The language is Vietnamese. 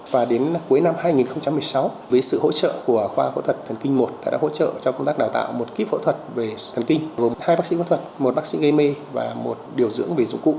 và đến cuối năm hai nghìn một mươi sáu với sự hỗ trợ của khoa phẫu thuật thần kinh một đã hỗ trợ cho công tác đào tạo một kíp phẫu thuật về thần kinh gồm hai bác sĩ phẫu thuật một bác sĩ gây mê và một điều dưỡng về dụng cụ